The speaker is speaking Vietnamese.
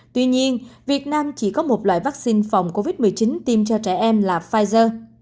tuy nhiên việt nam chỉ có một loại vaccine phòng covid một mươi chín tiêm cho trẻ em là pfizer